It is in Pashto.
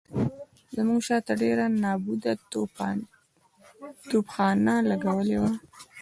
زموږ شاته ډېره نابوده توپخانه لګولې وه.